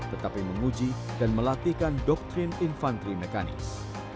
tetapi menguji dan melatihkan doktrin infanteri mekanis